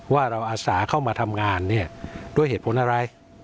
ว่าเราอาสาเข้ามาทำงานเนี่ยด้วยเหตุผลอะไร